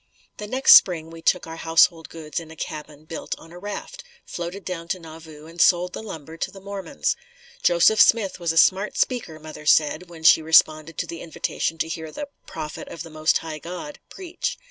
The next Spring we took our household goods in a cabin built on a raft, floated down to Nauvoo and sold the lumber to the Mormons. Joseph Smith was a smart speaker, mother said, when she responded to the invitation to hear the "Prophet of the Most High God" preach.